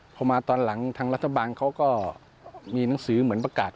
พอมาตอนหลังทางรัฐบาลเขาก็มีหนังสือเหมือนประกาศ